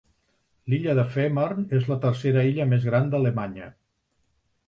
L'illa de Fehmarn és la tercera illa més gran d'Alemanya.